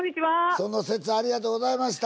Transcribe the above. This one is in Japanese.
その節はありがとうございました。